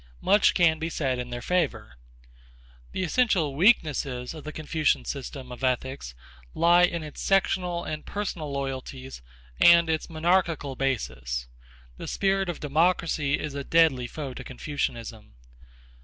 Much can be said in their favor. The essential weaknesses of the Confucian system of ethics lie in its sectional and personal loyalties and its monarchical basis. The spirit of democracy is a deadly foe to Confucianism.